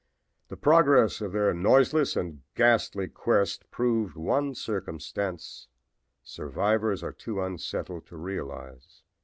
"The progress of their noiseless and ghastly quest proved one circumstance survivors are too unsettled to realize.